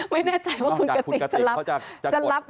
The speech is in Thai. ไม่แน่ใจว่าคุณกระติกจะรับหรือเปล่า